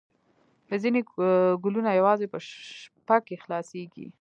ځینې ګلونه یوازې په شپه کې خلاصیږي